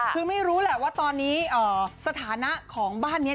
คือไม่รู้แหละว่าตอนนี้สถานะของบ้านนี้